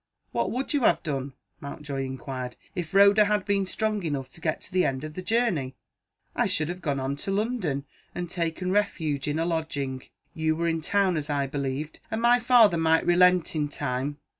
"What would you have done," Mountjoy inquired, "if Rhoda had been strong enough to get to the end of the journey?" "I should have gone on to London, and taken refuge in a lodging you were in town, as I believed, and my father might relent in time.